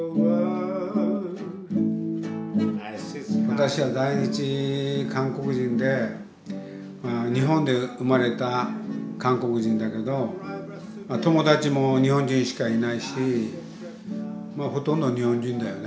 私は在日韓国人で日本で生まれた韓国人だけど友達も日本人しかいないしまあほとんど日本人だよね